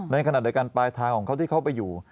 ในขณะเดียวกันปลายทางของเขาที่เขาไปอยู่